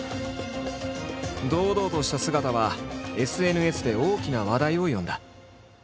堂々とした姿はＳＮＳで大きな話題を呼んだ。